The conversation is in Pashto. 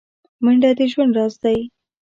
منډه د ژوند راز دی